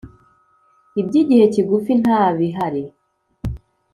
Ibyigihe kigufi ntabihari.